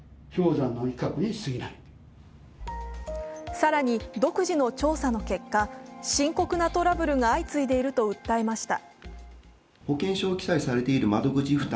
更に独自の調査の結果、深刻なトラブルが相次いでいると訴えました。